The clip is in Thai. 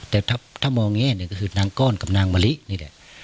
แต่ถ้ามองแง่หนึ่งก็คือนางก้อนกับนางมะลินี่แหละ